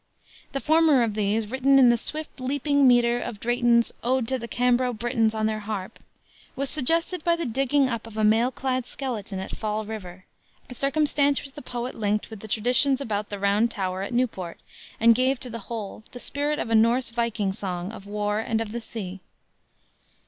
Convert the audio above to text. The former of these, written in the swift leaping meter of Drayton's Ode to the Cambro Britons on their Harp, was suggested by the digging up of a mail clad skeleton at Fall River a circumstance which the poet linked with the traditions about the Round Tower at Newport and gave to the whole the spirit of a Norse viking song of war and of the sea.